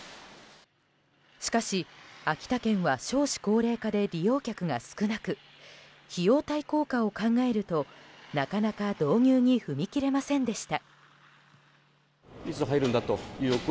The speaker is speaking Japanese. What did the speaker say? しかし、秋田県は少子高齢化で利用客が少なく費用対効果を考えるとなかなか導入に踏み切れませんでした。